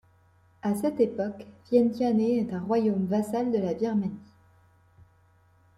A cette époque, Vientiane est un royaume vassal de la Birmanie.